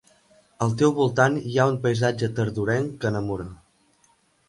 Al teu voltant hi ha un paisatge tardorenc que enamora.